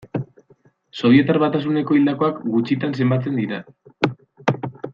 Sobietar Batasuneko hildakoak gutxitan zenbatzen dira.